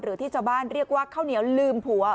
หรือที่ชาวบ้านเรียกว่าข้าวเหนียวลืมผัว